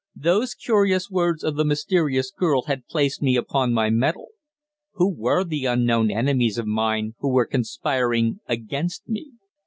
Those curious words of the mysterious girl had placed me upon my mettle. Who were the unknown enemies of mine who were conspiring against me?